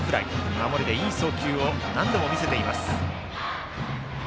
守りでいい送球を何度も見せています。